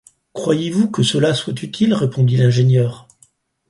Croyez-vous que cela soit utile? répondit l’ingénieur.